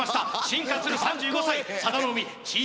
進化する３５歳佐田の海かっこええ